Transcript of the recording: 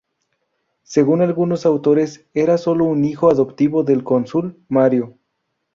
Según algunos autores, era sólo un hijo adoptivo del cónsul Mario.